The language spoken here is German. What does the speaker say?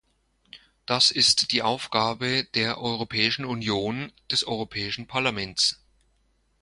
Das ist die Aufgabe der Europäischen Union, des Europäischen Parlaments.